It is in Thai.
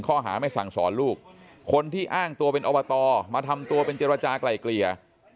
ข้อหาไม่สั่งสอนลูกคนที่อ้างตัวเป็นอบตมาทำตัวเป็นเจรจากลายเกลี่ย